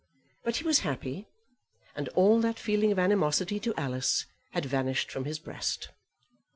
But he was happy; and all that feeling of animosity to Alice had vanished from his breast.